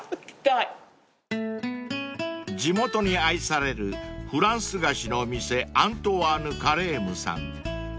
［地元に愛されるフランス菓子の店アントワーヌ・カレームさん］